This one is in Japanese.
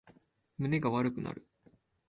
胸が悪くなる